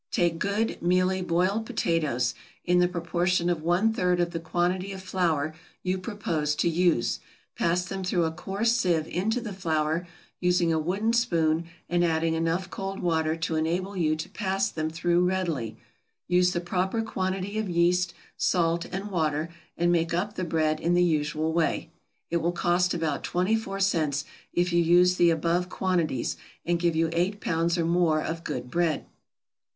= Take good, mealy boiled potatoes, in the proportion of one third of the quantity of flour you propose to use, pass them through a coarse sieve into the flour, using a wooden spoon and adding enough cold water to enable you to pass them through readily; use the proper quantity of yeast, salt, and water, and make up the bread in the usual way. It will cost about twenty four cents if you use the above quantities, and give you eight pounds or more of good bread.